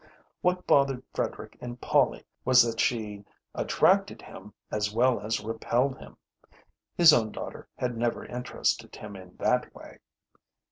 What bothered Frederick in Polly was that she attracted him as well as repelled him. His own daughter had never interested him in that way.